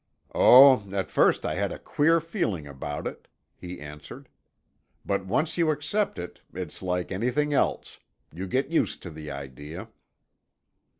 "Oh, at first I had a queer feeling about it," he answered. "But once you accept it, it's like anything else. You get used to the idea."